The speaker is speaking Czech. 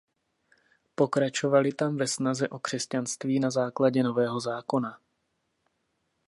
Pokračovali tam ve snaze o křesťanství na základě Nového zákona.